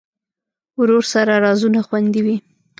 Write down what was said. ورور سره رازونه خوندي وي.